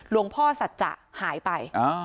หลวงพ่อสัจจะหายไป